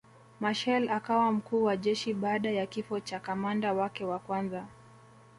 Machel akawa mkuu wa jeshi baada ya kifo cha kamanda wake wa kwanza